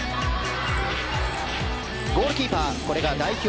ゴールキーパー、代表